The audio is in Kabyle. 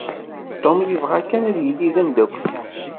Tom yebɣa kan ad yili d ameddakkel-im.